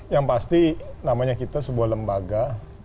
yang pasti namanya kita sebuah lembaga